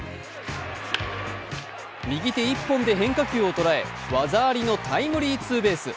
右手１本で変化球を捉え技ありのタイムリーツーベース。